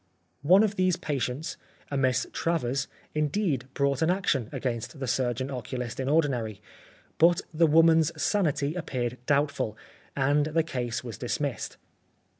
One of these patients, a Miss Travers, indeed brought an action against the Surgeon Oculist in Ordinary, but the woman's sanity appeared doubtful, and the case was dis missed.